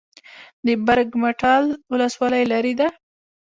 د برګ مټال ولسوالۍ لیرې ده